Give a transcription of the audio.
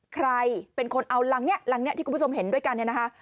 ใครเป็นคนเอาลังนี้ที่คุณผู้ชมเห็นด้วยกันเนี่ยนะฮะ